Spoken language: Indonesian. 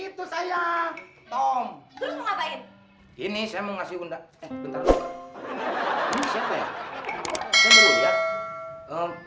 itu saya tom ini saya mau ngasih undang bentar bentar